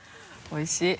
おいしい。